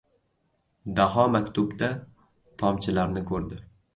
Daho maktubda tomchilarni ko‘rdi.